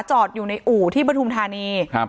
จอดอยู่ในอู่ที่บทูมธานี